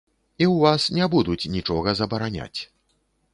І ў вас не будуць нічога забараняць.